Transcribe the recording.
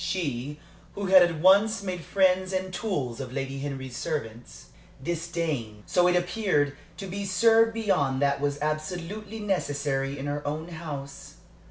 She who had at once made friends and tools of Lady Henry's servants, disdained, so it appeared, to be served beyond what was absolutely necessary in her own house.